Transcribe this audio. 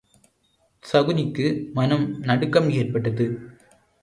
சகுனிக்கு மனம் நடுக்கம் ஏற்பட்டது.